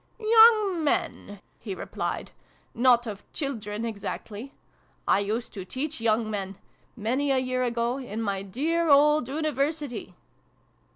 " Young men" he replied. " Not of children exactly. I used to teach young men many a year ago in my dear old University